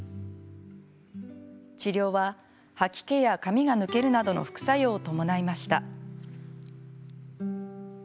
治療は吐き気や髪が抜けるなどの副作用を伴いました。